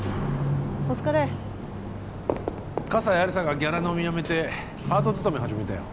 お疲れ葛西亜理紗がギャラ飲みやめてパート勤め始めたよ